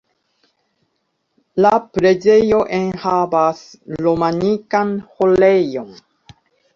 La preĝejo enhavas romanikan Ĥorejon.